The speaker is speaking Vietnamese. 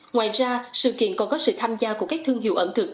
ngoài ra sự kiện còn có sự tham gia của các thương hiệu ẩm thực